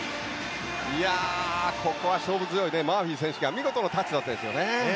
ここは勝負強いマーフィー選手が見事なタッチでしたね。